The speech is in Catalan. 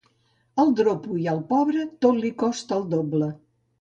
Al dropo i al pobre tot li costa el doble.